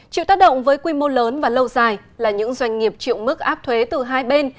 chịu tác động với quy mô lớn và lâu dài là những doanh nghiệp chịu mức áp thuế từ hai bên